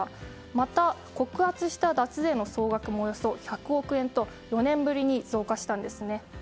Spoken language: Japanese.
また、告発した脱税の総額もおよそ１００億円と４年ぶりに増加したんですね。